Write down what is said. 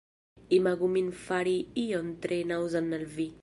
Imagu min fari ion tre naŭzan al vi